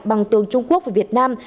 bằng tường trung quốc và việt nam